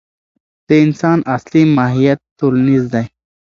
د انسان اصلي ماهیت ټولنیز دی.